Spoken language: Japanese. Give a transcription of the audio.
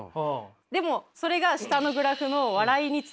でもそれが下のグラフの笑いにつながってたら。